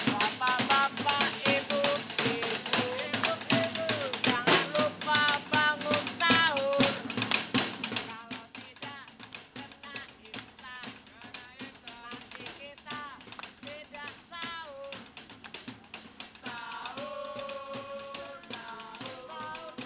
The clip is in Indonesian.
bapak bapak ibu ibu ibu ibu